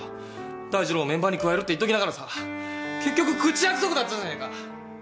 大二郎をメンバーに加えるって言っときながらさ結局口約束だったじゃねえか。